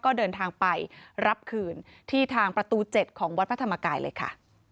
ก็เดินทางไปรับคืนที่ทางประตู๗ของวัดพระธรรมกายเลยค่ะ